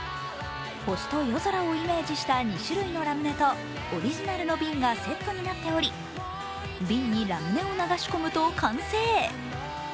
星と夜空をイメージした２種類のラムネとオリジナルの瓶がセットになっており瓶にラムネを流し込むと完成。